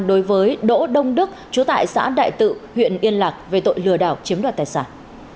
đối với đỗ đông đức chú tại xã đại tự huyện yên lạc về tội lừa đảo chiếm đoạt tài sản